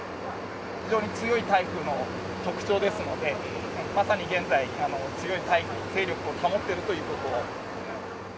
非常に強い台風の特徴ですので、まさに現在、強い勢力を保っているということ。